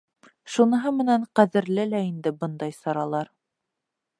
Шуныһы менән ҡәҙерле лә инде бындай саралар.